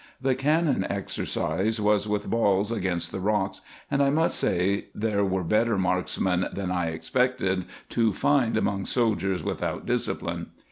The cannon exercise was with balls against the rocks ; and, I must say, there were better marksmen than I expected to find among soldiers without discipline.